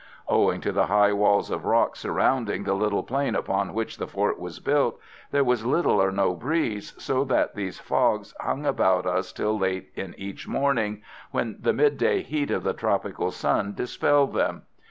Owing to the high walls of rock surrounding the little plain upon which the fort was built, there was little or no breeze, so that these fogs hung about us till late in each morning, when the midday heat of the tropical sun dispelled them.